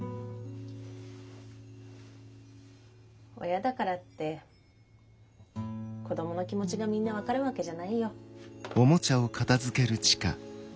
親だからって子供の気持ちがみんな分かるわけじゃないよ。